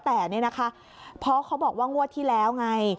แต่นี่นะคะเพราะเขาบอกว่างวดที่แล้วไง